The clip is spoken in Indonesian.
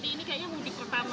jadi ini kayaknya mudik pertamanya